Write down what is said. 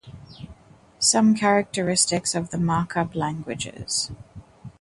Some characteristics of the markup languages.